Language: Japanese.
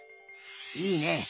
いいね。